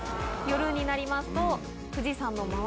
夜になりますと富士山の周り